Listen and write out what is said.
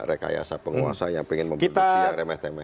rekayasa penguasa yang ingin memproduksi yang remeh temeh